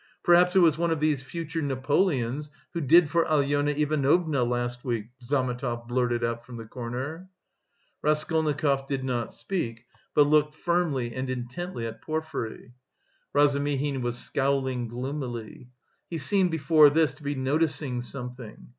"Perhaps it was one of these future Napoleons who did for Alyona Ivanovna last week?" Zametov blurted out from the corner. Raskolnikov did not speak, but looked firmly and intently at Porfiry. Razumihin was scowling gloomily. He seemed before this to be noticing something.